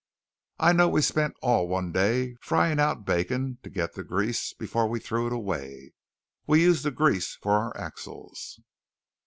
I know we spent all one day frying out bacon to get the grease before we threw it away. We used the grease for our axles."